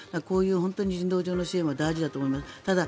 こういう人道上の支援は大事だと思います。